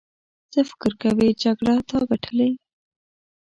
څه فکر کوې جګړه تا ګټلې.